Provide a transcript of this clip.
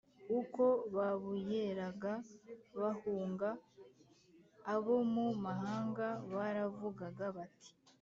Uko babuyeraga bahunga, abo mu mahanga baravugaga bati